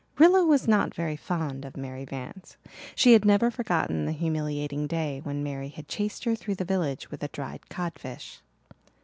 Rilla was not very fond of Mary Vance. She had never forgotten the humiliating day when Mary had chased her through the village with a dried codfish.